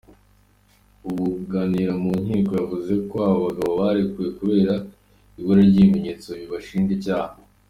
Ubunganira mu nkiko yavuze ko abo bagabo barekuwe kubera ibura ry'ibimenyetso bibashinja icyaha.